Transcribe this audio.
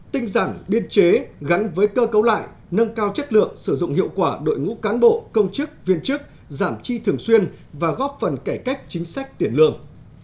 tinh giản biên chế gắn với cơ cấu lại nâng cao chất lượng sử dụng hiệu quả đội ngũ cán bộ công chức viên chức giảm chi thường xuyên và góp phần cải cách chính sách tiền lương